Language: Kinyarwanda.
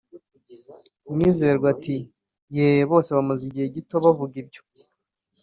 Mwizerwa ati: “Ye, bose bamaze igihe gito bavuga ibyo”